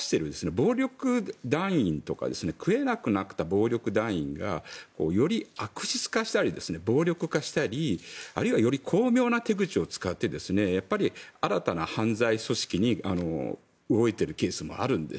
暴力団員とか食えなくなった暴力団員がより悪質化したり暴力化したりあるいはより巧妙な手口を使って新たな犯罪組織に動いているケースもあるんです。